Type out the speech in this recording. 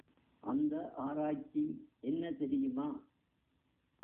அந்த ஆராய்ச்சி என்ன தெரியுமா?